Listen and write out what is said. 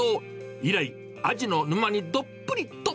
以来、アジの沼にどっぷりと。